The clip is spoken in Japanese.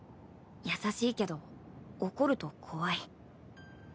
優しいけど怒ると怖い